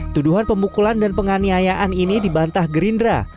tuduhan pemukulan dan penganiayaan ini dibantah gerindra